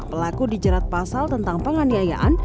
pelaku dijerat pasal tentang penganiayaan